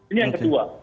ini yang kedua